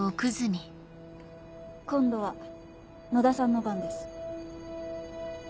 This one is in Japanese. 今度は野田さんの番です。